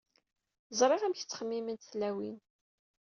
Ẓriɣ amek ttxemmiment tlawin.